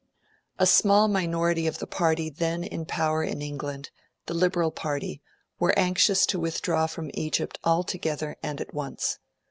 A small minority of the party then in power in England the Liberal Party were anxious to withdraw from Egypt altogether and at once.